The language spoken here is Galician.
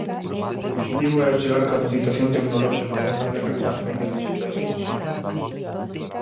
O obxectivo é achegar capacitación tecnolóxica avanzada e rachar fendas dixitais e de xénero.